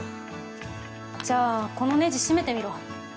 じゃあこのネジ締めてみろ。